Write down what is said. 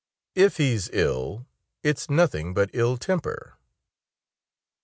"If he's ill, it's nothing but ill temper."